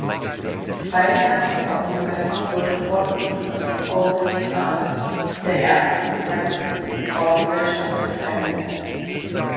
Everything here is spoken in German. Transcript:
Freiherr von Oppenheimer wurde Vorsitzender des Aufsichtsrats der "Ersten gemeinnützigen Baugesellschaft für Kleinwohnungen".